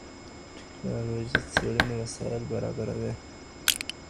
ټکنالوژي څېړنې وسايل برابروي.